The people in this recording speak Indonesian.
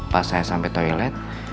pas saya sampai toilet